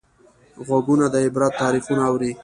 غوږونه د عبرت تاریخونه اوري